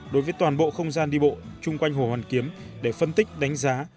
đối với toàn bộ không gian đi bộ chung quanh hồ hoàn kiếm để phân tích đánh giá